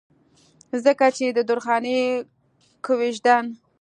ځکه چې د درخانۍ کويژدن